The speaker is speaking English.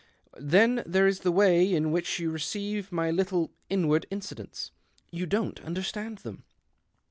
Then there is the way n which you receive my little ' Inward Inci lents.' You don't understand them.